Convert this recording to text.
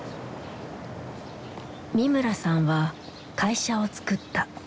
三村さんは会社を作った。